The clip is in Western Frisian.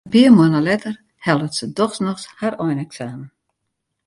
In pear moanne letter hellet se dochs noch har eineksamen.